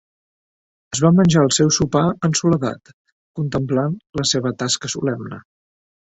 Es va menjar el seu sopar en soledat, contemplant la seva tasca solemne.